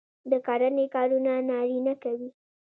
د کرنې کارونه نارینه کوي.